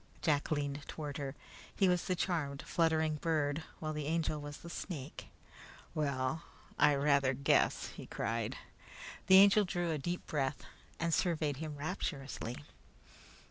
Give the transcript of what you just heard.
Jack leaned toward her. He was the charmed fluttering bird, while the Angel was the snake. "Well, I rather guess!" he cried. The Angel drew a deep breath and surveyed him rapturously.